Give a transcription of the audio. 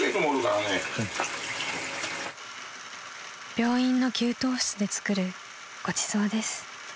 ［病院の給湯室で作るごちそうです］